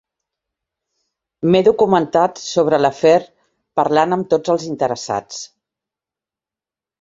M'he documentat sobre l'afer parlant amb tots els interessats.